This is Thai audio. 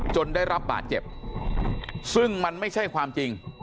ได้รับบาดเจ็บซึ่งมันไม่ใช่ความจริง